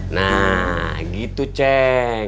nah gitu ceng